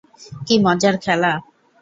কী মজার খেলা!